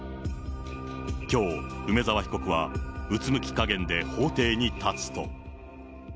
きょう、梅沢被告は、うつむき加減で法廷に立つと。